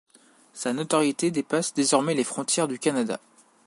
Sa notoriété dépasse désormais les frontières du Canada.